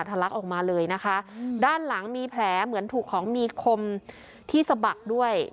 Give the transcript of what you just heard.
ลักออกมาเลยนะคะด้านหลังมีแผลเหมือนถูกของมีคมที่สะบักด้วย